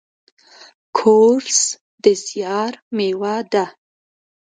کورس د زیار میوه ده.